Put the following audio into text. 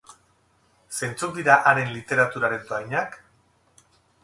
Zeintzuk dira haren literaturaren dohainak?